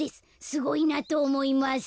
すごいなとおもいます」。